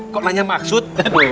kok nanya maksud